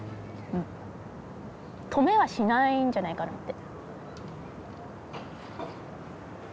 止めはしないんじゃないかなって。